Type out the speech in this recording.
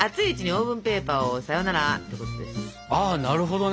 あなるほどね。